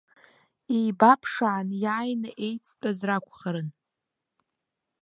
Еибаԥшаан, иааины еицтәаз ракәхарын.